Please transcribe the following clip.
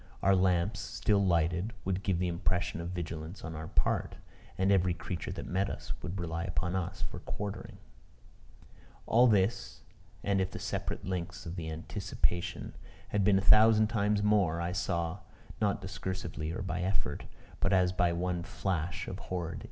Our lamps, still lighted, would give the impression of vigilance on our part. And every creature that met us, would rely upon us for quartering. All this, and if the separate links of the anticipation had been a thousand times more, I saw not discursively or by effort but as by one flash of horrid intuition.